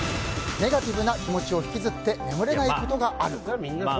ネガティブな気持ちを引きずって眠れないことがある。